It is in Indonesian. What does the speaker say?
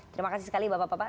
terima kasih sekali bapak bapak